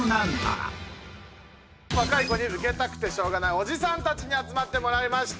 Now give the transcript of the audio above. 若い子にウケたくてしょうがないおじさんたちに集まってもらいました。